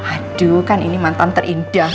aduh kan ini mantan terindah